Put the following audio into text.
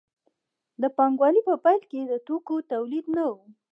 د پانګوالۍ په پیل کې د توکو تولید نه و.